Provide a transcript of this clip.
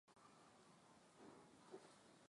kuliibuka kikundi hatari nchini humo ambacho kilijulikana